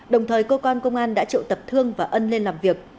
đồng thời cơ quan công an đã triệu tập thương và ân lên làm việc